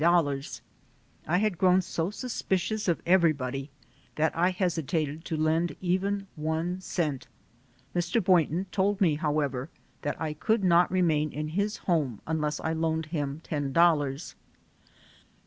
I had grown so suspicious of everybody that I hesitated to lend even one cent. Mr. Boynton told me, however, that I could not remain in his home unless I loaned him $10. Mrs.